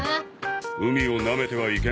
海をなめてはいけない。